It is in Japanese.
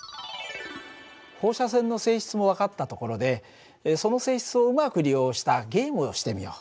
放射線の性質も分かったところでその性質をうまく利用したゲームをしてみよう。